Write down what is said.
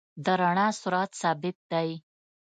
د رڼا سرعت ثابت دی.